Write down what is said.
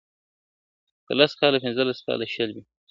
کله لس کله پنځلس کله شل وي !.